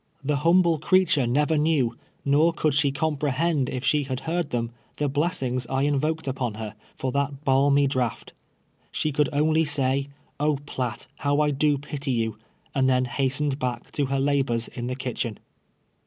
The humble crea ture never knew, nor could she com})relieiul if she Lad heard them, the blessings I invoked upon her, for that balmy draught. She could only say, "Oh, riatt, Iniw 1 do ])iTy you," and then hastened back to her labors in the kitchen.